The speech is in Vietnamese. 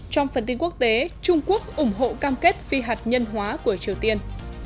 trong phần tin quốc tế trung quốc ủng hộ cam kết phi hạt nhân hóa của triều tiên